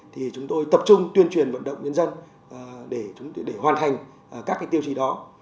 thì chúng tôi tập trung tuyên truyền vận động nhân dân để hoàn thành các tiêu chí đó